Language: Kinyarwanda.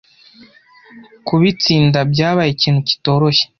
kubitsinda byabaye ikintu kitoroshye